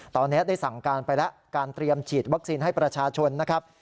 ตอนนี้ได้สั่งการไปแล้วการเตรียมฉีดวัคซีนให้ประชาชนนะครับ